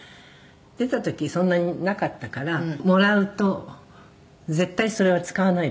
出た時そんなになかったからもらうと絶対それは使わないで取ってたんですよ」